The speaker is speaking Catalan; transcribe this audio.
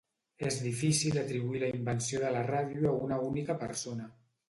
És difícil atribuir la invenció de la ràdio a una única persona.